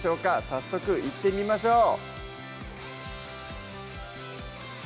早速いってみましょう